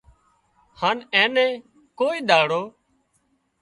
هانَ اين نين ڪوئي ۮاڙو